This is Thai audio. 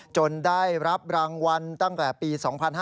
ได้รับรางวัลตั้งแต่ปี๒๕๕๙